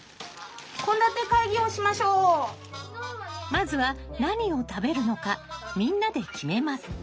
まずは何を食べるのかみんなで決めます。